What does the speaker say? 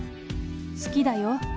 好きだよ。